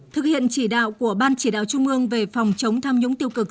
thực hiện chỉ đạo của ban chỉ đạo trung ương về phòng chống tham nhũng tiêu cực